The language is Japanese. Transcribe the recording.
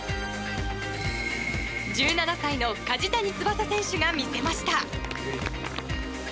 １７歳の梶谷翼選手が魅せました。